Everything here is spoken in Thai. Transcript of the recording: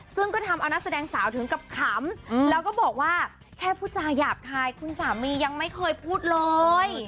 ซึ่งก็ทำเอานักแสดงสาวถึงกับขำแล้วก็บอกว่าแค่พูดจาหยาบคายคุณสามียังไม่เคยพูดเลย